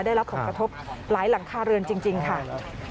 ได้รับของกระทบหลายหลังคาเรือนจริงค่ะ